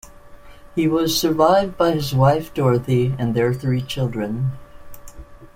He was survived by his wife, Dorothy, and their three children.